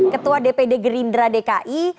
ketua dpd gerindra dki